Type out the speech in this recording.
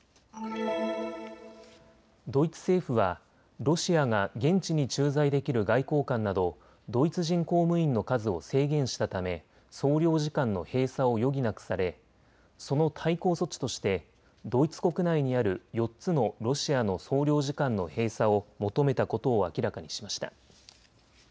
ドイツ政府はロシアが現地に駐在できる外交官などドイツ人公務員の数を制限したため総領事館の閉鎖を余儀なくされ、その対抗措置としてドイツ国内にある４つのロシアの総領事館の閉鎖を求めたことを明らかにしました。